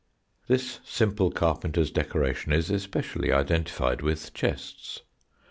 This simple carpenter's decoration is especially identified with chests.